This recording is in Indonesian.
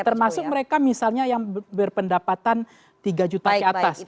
termasuk mereka misalnya yang berpendapatan tiga juta ke atas